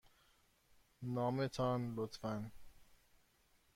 نام تان، لطفاً.